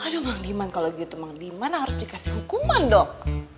aduh mang diman kalau gitu mang diman harus dikasih hukuman dong